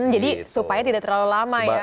jadi supaya tidak terlalu lama ya